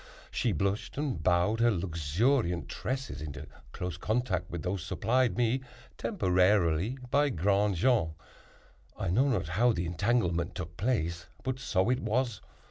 She blushed and bowed her luxuriant tresses into close contact with those supplied me, temporarily, by Grandjean. I know not how the entanglement took place, but so it was.